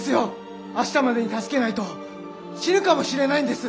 明日までに助けないと死ぬかもしれないんです！